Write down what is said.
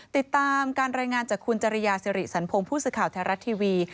ติดตามการรายงานจากคุณจริยาสิริสันพงศ์ผู้สื่อข่าวไทยรัฐทีวี